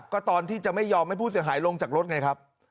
ก็ตอนที่จะไม่ยอมให้ผู้เสียหายลงจากรถไงครับ